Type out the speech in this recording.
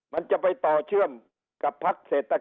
มันจะไปต่อเชื่อมกับพักเศรษฐกิจ